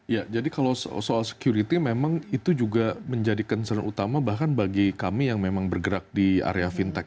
ya jadi kalau soal security memang itu juga menjadi concern utama bahkan bagi kami yang memang bergerak di area fintech